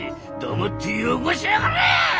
黙ってよこしやがれ！